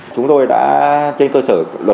chúng tôi đã trên cơ sở